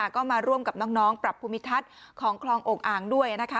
ก็มาร่วมกับน้องปรับภูมิทัศน์ของคลองอกอ่างด้วย